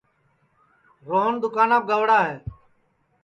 روہن دُؔکاناپ گئوڑا ہے